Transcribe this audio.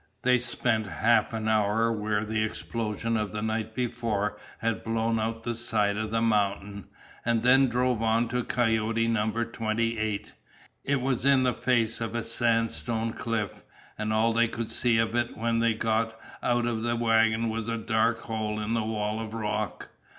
They spent half an hour where the explosion of the night before had blown out the side of the mountain, and then drove on to Coyote Number Twenty eight. It was in the face of a sandstone cliff, and all they could see of it when they got out of the wagon was a dark hole in the wall of rock.